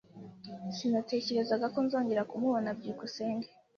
Sinatekerezaga ko nzongera kumubona. byukusenge